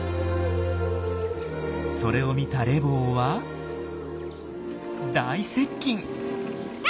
それを見たレボーは大接近！